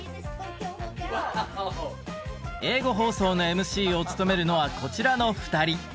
英語放送のＭＣを務めるのはこちらの２人。